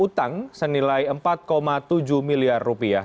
utang senilai rp empat tujuh miliar rupiah